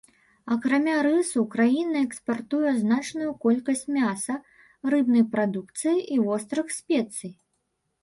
Акрамя рысу, краіна экспартуе значную колькасць мяса, рыбнай прадукцыі і вострых спецый.